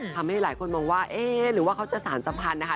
ทำให้หลายคนมองว่าเอ๊ะหรือว่าเขาจะสารสัมพันธ์นะคะ